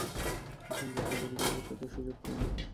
এখন যত দেরি করবে, তত সুযোগ কমবে।